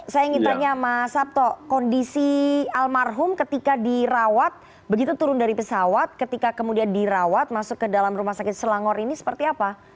saya ingin tanya mas sabto kondisi almarhum ketika dirawat begitu turun dari pesawat ketika kemudian dirawat masuk ke dalam rumah sakit selangor ini seperti apa